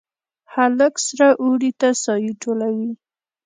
هلک سره اوړي ته سایې ټولوي